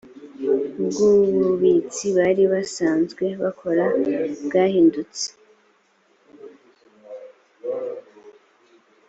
ubwubutsi bari basanzwe bakora bwahindutse